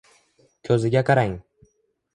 Ko’ziga qarang!